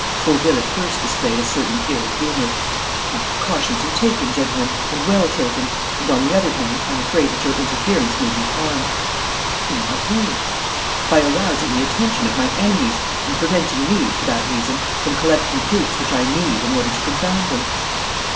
Fauville at first displayed a certain ill humour. "My precautions are taken, gentlemen, and well taken. And, on the other hand, I am afraid that your interference may do harm." "In what way?" "By arousing the attention of my enemies and preventing me, for that reason, from collecting proofs which I need in order to confound them."